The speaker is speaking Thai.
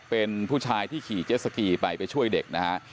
เป็นผู้ชายที่ขี่เจสสกีไปไปช่วยเด็กนะฮะ